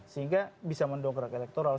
sehingga bisa mendongkrak elektoral